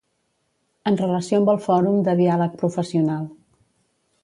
En relació amb el Fòrum de Diàleg Professional.